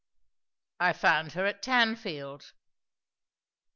"I found her at Tanfield."